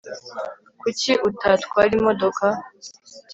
kuki utatwara imodoka